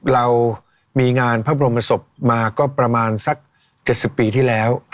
เรามีงานพระบรมศพมาก็ประมาณสัก๗๐ปีที่แล้ว